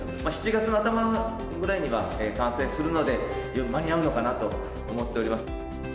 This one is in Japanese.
７月の頭くらいには完成するので、間に合うのかなと思っております。